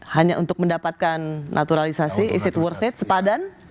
hanya untuk mendapatkan naturalisasi is it worth it sepadan